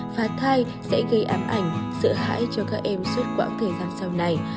và thai sẽ gây ám ảnh sợ hãi cho các em suốt quãng thời gian sau này